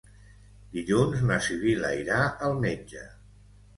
Dilluns na Sibil·la irà al metge.